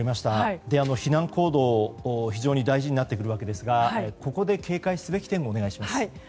避難行動が非常に大事になっているわけですがここで警戒すべき点をお願いします。